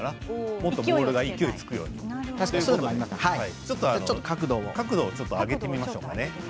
もっとボールが勢いつくように角度を上げてみましょうかね。